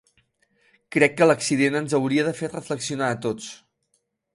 Crec que l'accident ens hauria de fer reflexionar a tots.